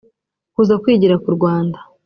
kuza kwigira ku Rwanda